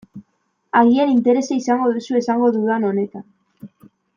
Agian interesa izango duzu esango dudan honetan.